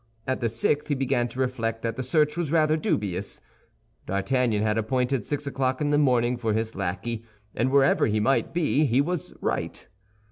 At the sixth he began to reflect that the search was rather dubious. D'Artagnan had appointed six o'clock in the morning for his lackey, and wherever he might be, he was right.